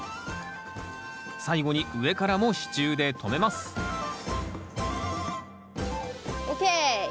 最後に上からも支柱で留めますＯＫ！